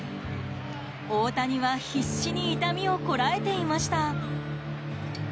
大谷は必死に痛みをこらえていました。